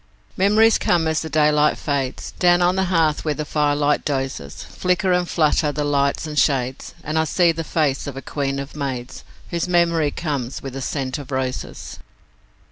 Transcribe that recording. Memories come as the daylight fades Down on the hearth where the firelight dozes; Flicker and flutter the lights and shades, And I see the face of a queen of maids Whose memory comes with the scent of roses.